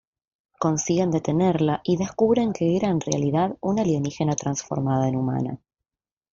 Consiguen detenerla y descubren que era en realidad un alienígena transformada en humana.